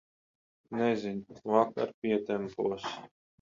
Nezinu, vakar pietempos.